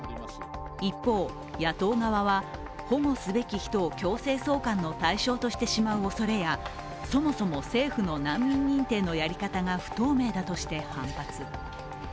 一方、野党側は保護すべき人を強制送還の対象としてしまうおそれやそもそも政府の難民認定のやり方が不透明だとして反発。